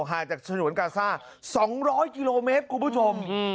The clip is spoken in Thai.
ห่างจากสนุนกาซ่าสองร้อยกิโลเมตรคุณผู้ชมอืม